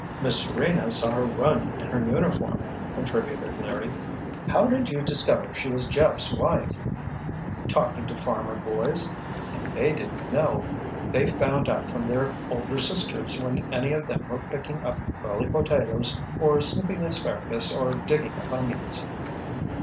"Miss Serena saw her run in her uniform," contributed Larry. "How did you discover she was Jeff's wife?" "Talking to farmer boys—what they didn't know, they found out from their older sisters when any of them were picking up early potatoes or snipping asparagus or digging up onions."